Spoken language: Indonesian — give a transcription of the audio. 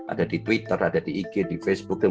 ada di twitter ada di ig di facebook